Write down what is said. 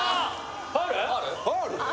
ファウル？